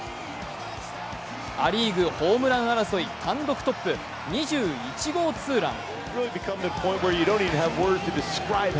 ア・リーグホームラン争い単独トップ、２１号ツーラン。